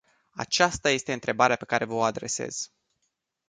Aceasta este întrebarea pe care v-o adresez.